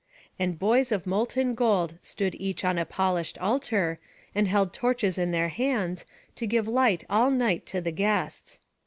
And boys of molten gold stood each on a polished altar, and held torches in their hands, to give light all night to the guests.